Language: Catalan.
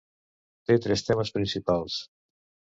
Té tres temes principals.